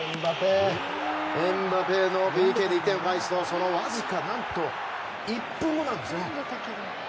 エムバペのＰＫで１点を返すとそのわずか何と１分後なんです。